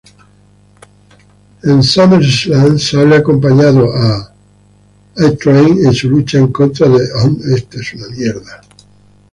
En SummerSlam, Sable acompañó a A-Train en su lucha en contra de The Undertaker.